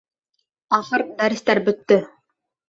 Ахыр дәрестәр бөттө.